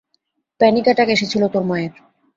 Manic attack এসেছিল তোর মায়ের।